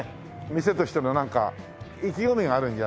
店としてのなんか意気込みがあるんじゃないですか？